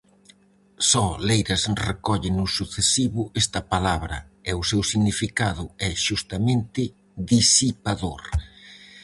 Só Leiras recolle no sucesivo esta palabra, e o seu significado é xustamente 'disipador'.